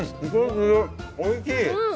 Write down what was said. おいしい。